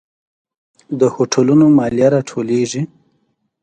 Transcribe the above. د هوټلونو مالیه راټولیږي؟